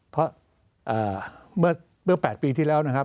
เพราะเมื่อ๘ปีที่แล้ว